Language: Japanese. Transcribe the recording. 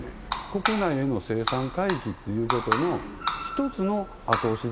国内への生産回帰っていうことの一つの後押し